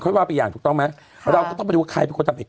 ว่าไปอย่างถูกต้องไหมเราก็ต้องไปดูว่าใครเป็นคนทำผิด